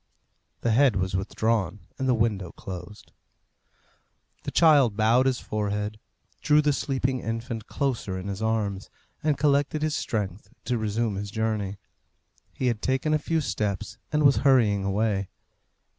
The head was withdrawn and the window closed. The child bowed his forehead, drew the sleeping infant closer in his arms, and collected his strength to resume his journey. He had taken a few steps, and was hurrying away.